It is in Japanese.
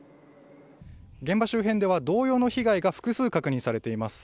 現場周辺では同様の被害が複数確認されています。